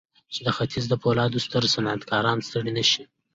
چې د ختيځ د پولادو ستر صنعتکاران ستړي نه شي.